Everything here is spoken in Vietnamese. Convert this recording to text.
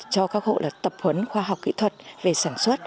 cho các hộ là tập huấn khoa học kỹ thuật về sản xuất